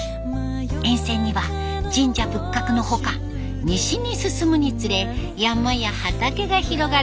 沿線には神社仏閣の他西に進むにつれ山や畑が広がる